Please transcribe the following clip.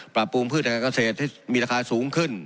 ปรับปรุงพืชทางการเกษตรที่มีราคาสูงขึ้น